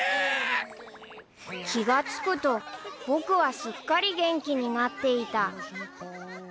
［気がつくと僕はすっかり元気になっていた］